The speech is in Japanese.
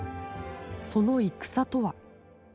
その戦とは。